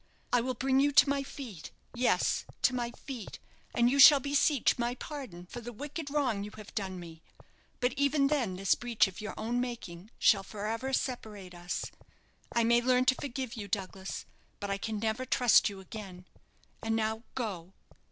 I will bring you to my feet yes, to my feet; and you shall beseech my pardon for the wicked wrong you have done me. But even then this breach of your own making shall for ever separate us. I may learn to forgive you, Douglas, but I can never trust you again. And now go."